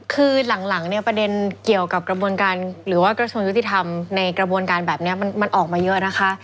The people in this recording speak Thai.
คือหลังเนี่ยประเด็นเกี่ยวกับกระบวนการหรือว่ากระทรวงยุติธรรมในกระบวนการแบบนี้มันออกมาเยอะนะคะ